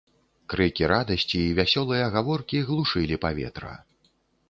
Крыкі радасці і вясёлыя гаворкі глушылі паветра.